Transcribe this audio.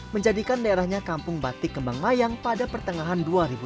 menjadikan daerahnya kampung batik kembang mayang pada pertengahan dua ribu dua puluh